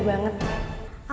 aku mau pergi ke mama